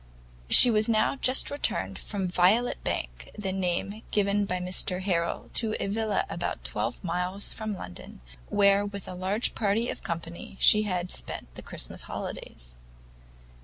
She was now just returned from Violet Bank, the name given by Mr Harrel to a villa about twelve miles from London, where with a large party of company she had spent the Christmas holidays.